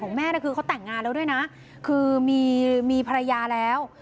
แม่คือเขาแต่งงานแล้วด้วยนะคือมีภรรยาแล้ว